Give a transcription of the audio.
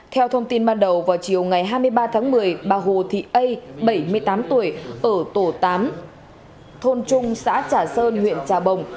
theo thông tin ban đầu vào chiều ngày hai mươi ba tháng một mươi bà hồ thị a bảy mươi tám tuổi ở tổ tám thôn trung xã trà sơn huyện trà bồng